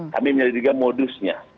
kami menyelidiki modusnya